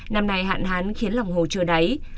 năm nay hạn hán khiến lòng hồ trở đáy